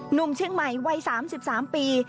หนุ่มเชียงใหม่วัย๓๓ปี